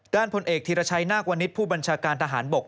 ด้านผลเอกธิรชัยนากวณิศผู้บัญชาการทหารบก